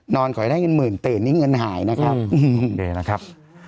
นอนขอให้ได้เงินหมื่นตื่นนี้เงินหายนะครับ